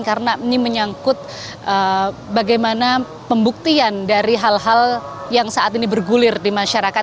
karena ini menyangkut bagaimana pembuktian dari hal hal yang saat ini bergulir di masyarakat